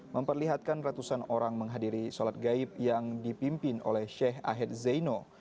memperlihatkan ratusan orang menghadiri sholat gaib yang dipimpin oleh sheikh ahed zaino